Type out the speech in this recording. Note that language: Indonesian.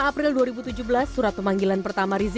dua puluh april dua ribu tujuh belas surat pemanggilan pertama rizik